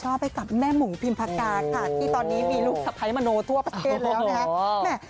ความชอบให้กับแม่หมูพิมพาการที่ตอนนี้มีลูกทรัพย์มาโนทั่วประเทศแล้ว